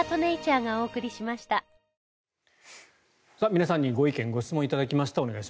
皆さんにご意見・ご質問を頂きました。